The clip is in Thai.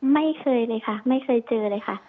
ไม่เคยเลยค่ะไม่เคยเจอเลยค่ะ